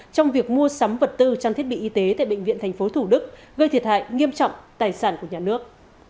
trong việc mua sắm vật tư trang thiết bị y tế tại bệnh viện tp thủ đức gây thiệt hại nghiêm trọng tài sản của nhà nước